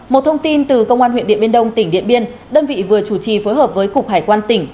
một thông tin từ công an huyện điện biên đông tỉnh điện biên đơn vị vừa chủ trì phối hợp với cục hải quan tỉnh